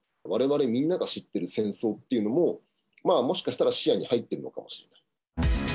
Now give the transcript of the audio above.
われわれみんなが知ってる戦争っていうのも、もしかしたら視野に入ってるのかもしれない。